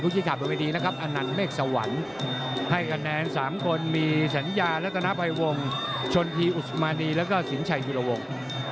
พูดที่ถามไม่ดีนะครับอนันเมฆสวรรค์ให้กำแหนน๓คนมีสัญญาณรัฐนาปัยวงศ์ชนธีอุสมานีแล้วก็สินไชยุลวงศ์